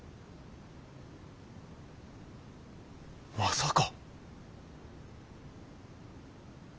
まさか。